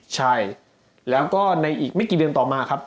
ใช่แล้วก็ในอีกไม่กี่เดือนต่อมาครับ